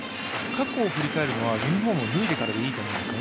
過去を振り返るのはユニフォームを脱いでからでいいと思うんです。